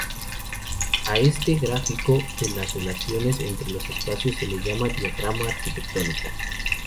A este gráfico de las relaciones entre los espacios se le llama "diagrama arquitectónico".